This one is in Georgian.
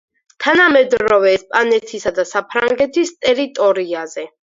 თანამედროვე ესპანეთისა და საფრანგეთის ტერიტორიაზე.